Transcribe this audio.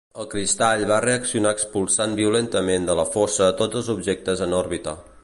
El cristall va reaccionar expulsant violentament de la fossa tots els objectes en òrbita.